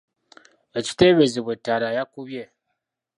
Ekiteebeezebwa Ettaala yakubye!